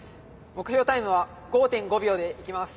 目標タイムは５．５秒でいきます。